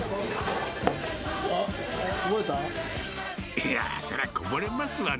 いや、そりゃこぼれますわな。